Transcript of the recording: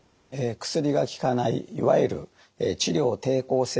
薬が効かないいわゆる治療抵抗性